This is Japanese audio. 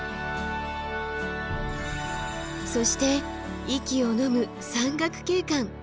そして息をのむ山岳景観。